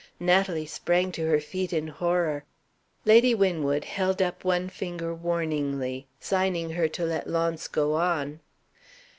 Natalie sprang to her feet in horror. Lady Winwood held up one finger warningly, signing to her to let Launce go on.